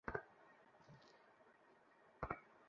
আমি আর কিছু করতে পারব না।